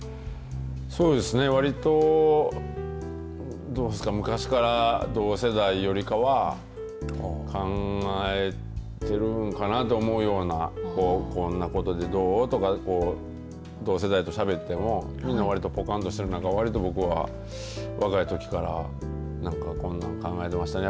そうですね、わりと昔から同世代よりかは考えてるのかなと思うようなこんなことをどうとか同世代としゃべってもわりとぽかんとしてる中割と僕は若いときから何かこんな考えてましたね。